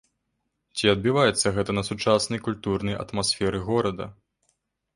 Ці адбіваецца гэта на сучаснай культурнай атмасферы горада?